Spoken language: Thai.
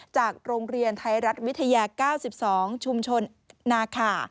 จากโรงเรียนไทยรัฐวิทยา๙๒ชุมชนนาขา